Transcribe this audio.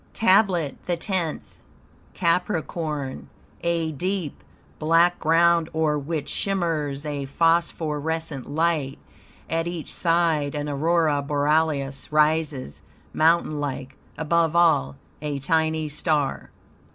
TABLET THE TENTH Capricorn A deep, black ground, o'er which shimmers a phosphorescent light; at each side an aurora borealis rises, mountain like; above all, a tiny star.